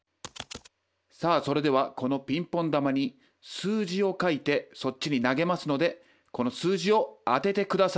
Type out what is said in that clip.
さあそれではこのピンポン球に数字を書いてそっちに投げますのでこの数字を当てて下さい。